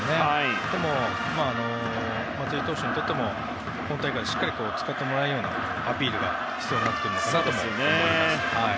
でも、松井投手にとっても本大会で使ってもらえるようなアピールが必要になってくるのかなと思います。